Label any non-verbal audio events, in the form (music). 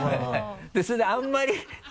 それであんまり (laughs)